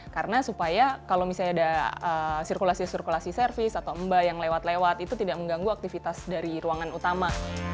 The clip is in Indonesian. karena supaya kalau misalnya ada sirkulasi sirkulasi service atau mba yang lewat lewat itu tidak mengganggu aktivitas dari ruangan utama